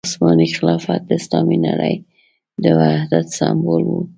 عثماني خلافت د اسلامي نړۍ د وحدت سمبول وو.